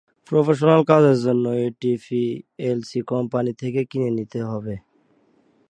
Professional কাজের জন্য এটি পি এল সি কোম্পানি থেকে কিনে নিতে হবে।